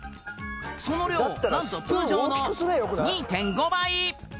その量何と通常の２．５倍！